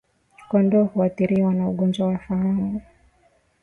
Kondoo huathiriwa na ugonjwa wa fahamu